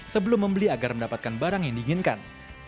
sebelum membeli agar mendapatkan barang yang diinginkan